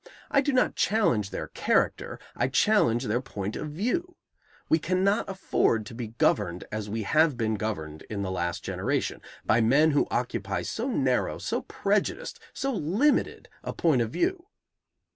I do not challenge their character; I challenge their point of view. We cannot afford to be governed as we have been governed in the last generation, by men who occupy so narrow, so prejudiced, so limited a point of view.